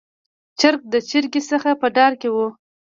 چرګ د چرګې څخه په ډار کې و.